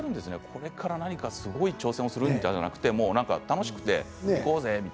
これから何かすごい挑戦をするとかじゃなくて楽しくて、行こうぜって。